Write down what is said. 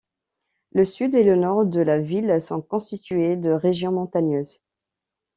Le sud et le nord de la ville sont constitués de régions montagneuses.